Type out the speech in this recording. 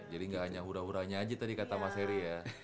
jadi gak hanya hura huranya aja tadi kata mas heri ya